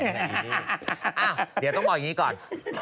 เดี๋ยวต้องบอกอย่างนี้ก่อน